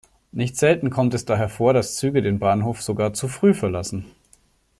Nicht selten kommt es daher vor, dass Züge den Bahnhof sogar zu früh verlassen.